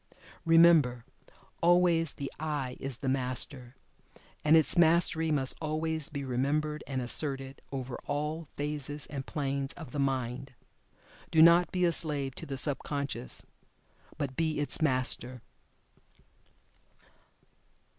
Remember, always, the "I" is the Master. And its Mastery must always be remembered and asserted over all phases and planes of the mind. Do not be a slave to the sub conscious, but be its MASTER.